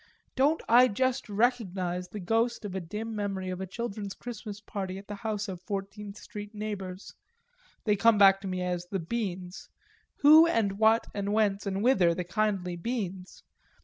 Don't I just recognise the ghost of a dim memory of a children's Christmas party at the house of Fourteenth Street neighbours they come back to me as "the Beans": who and what and whence and whither the kindly Beans?